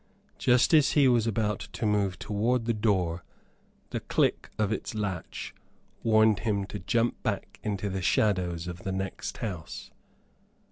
Just as he was about to move towards the door, the click of its latch warned him to jump back into the shadows of the next house.